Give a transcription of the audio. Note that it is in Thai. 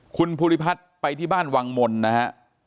คุณภูริพัฒน์ไปที่บ้านวังมลนะฮะ